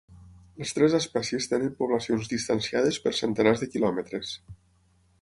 Les tres espècies tenen poblacions distanciades per centenars de quilòmetres.